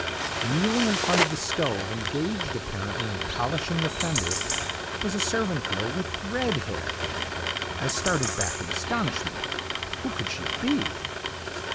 "Kneeling in front of the stove, engaged apparently in polishing the fender, was a servant girl with RED hair; I started back in astonishment. 'Who could she be?